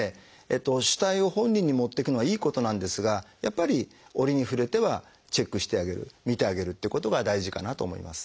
主体を本人に持っていくのはいいことなんですがやっぱり折に触れてはチェックしてあげる見てあげるっていうことが大事かなと思います。